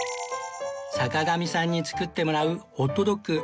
坂上さんに作ってもらうホットドッグ